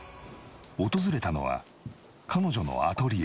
訪れたのは彼女のアトリエ。